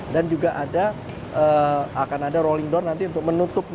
dan juga akan ada rolling door nanti untuk menutupnya